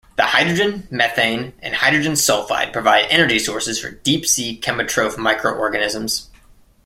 The hydrogen, methane, and hydrogen sulfide provide energy sources for deep sea chemotroph microorganisms.